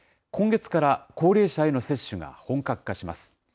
今月から高齢者への接種が本格化します。